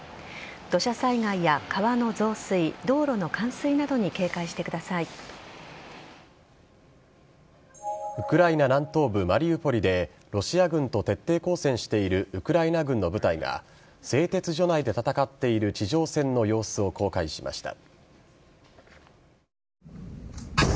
土砂災害や川の増水道路の冠水などにウクライナ南東部マリウポリでロシア軍と徹底抗戦しているウクライナ軍の部隊が製鉄所内で戦っている地上戦の様子を公開しました。